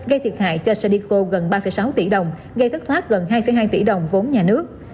gây thiệt hại cho serdico gần ba sáu tỷ đồng gây thất thoát gần hai hai tỷ đồng vốn nhà nước